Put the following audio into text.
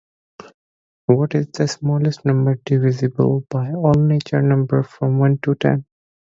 What is the smallest number divisible by all natural numbers from one to ten?